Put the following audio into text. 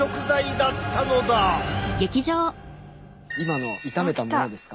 今の炒めたものですか。